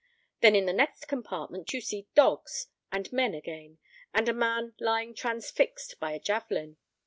Then in the next compartment you see dogs and men again, and a man lying transfixed by a javelin."